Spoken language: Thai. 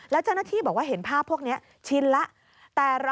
แล้วเจ้าหน้าที่บอกว่าเห็นภาพพวกนี้ชินแล้ว